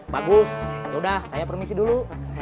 bagus yaudah saya permisi dulu